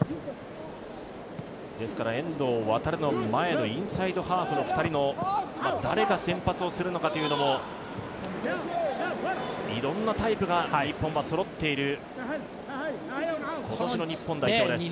ですから遠藤航の前のインサイドハーフの２人の誰が先発をするのかというのもいろんなタイプが日本はそろっている今年の日本代表です。